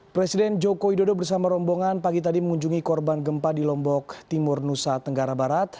presiden joko widodo bersama rombongan pagi tadi mengunjungi korban gempa di lombok timur nusa tenggara barat